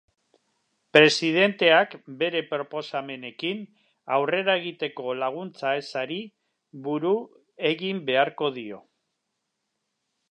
Presidenteak bere proposamenekin aurrera egiteko laguntza ezari buru egin beharko dio.